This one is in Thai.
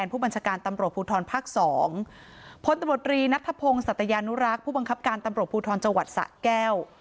นัทธพงศ์สัตยานุรักษ์ผู้บังคับการตำรวจภูทรจังหวัดสะแก้ว